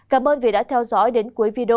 cảm ơn vì đã theo dõi đến cuối video